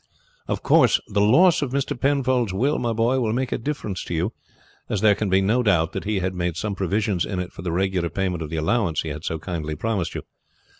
"Of course the loss of Mr. Penfold's will, my boy, will make a difference to you, as there can be no doubt that he had made some provisions in it for the regular payment of the allowance he had so kindly promised you.